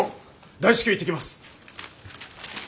大至急行ってきます。